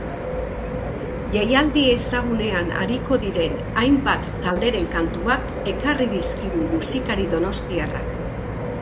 Jaialdi ezagunean ariko diren hainbat talderen kantuak ekarri dizkigu musikari donostiarrak.